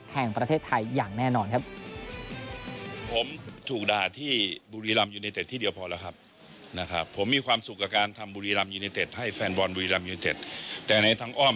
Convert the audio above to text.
แต่ในทั้งอ้อมอย่างไรก็ตาม